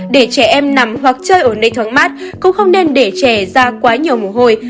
để trẻ em nằm hoặc chơi ở nơi thoáng mát cũng không nên để trẻ ra quá nhiều mồ hôi